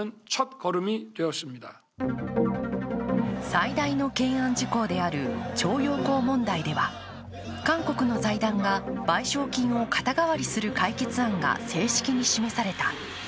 最大の懸案事項である徴用工問題では、韓国の財団が賠償金を肩代わりする解決案が正式に示された。